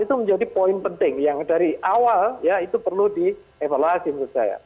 itu menjadi poin penting yang dari awal ya itu perlu dievaluasi menurut saya